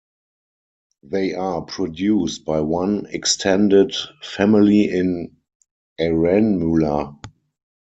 They are produced by one extended family in Aranmula.